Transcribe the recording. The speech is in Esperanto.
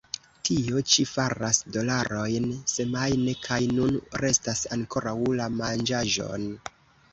Tio ĉi faras dolarojn semajne, kaj nun restas ankoraŭ la manĝaĵoj.